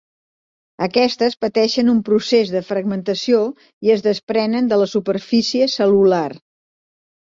Aquestes pateixen un procés de fragmentació i es desprenen de la superfície cel·lular.